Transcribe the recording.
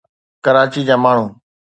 ڪراچي جا ماڻهو